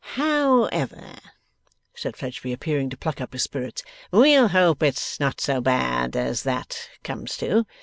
'However,' said Fledgeby, appearing to pluck up his spirits, 'we'll hope it's not so bad as that comes to.